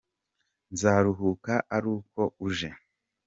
nzaruhuka aruko uje.